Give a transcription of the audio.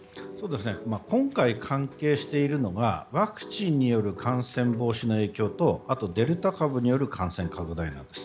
今回、関係しているのがワクチンによる感染防止の影響とあと、デルタ株による感染拡大なんです。